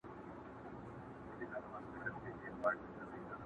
یو ابا یوه ابۍ کړې یو یې دېګ یو یې دېګدان کې؛